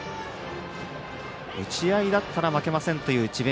打ち合いだったら負けませんという智弁